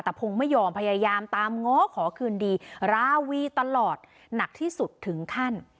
แต่พงศ์ไม่ยอมพยายามตามง้อขอคืนดีราวีตลอดหนักที่สุดถึงขั้น